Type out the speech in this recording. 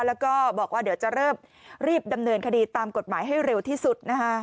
แล้วก็บอกว่าเดี๋ยวจะเริ่มรีบดำเนินคดีตามกฎหมายให้เร็วที่สุดนะคะ